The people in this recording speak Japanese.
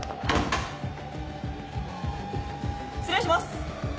失礼します！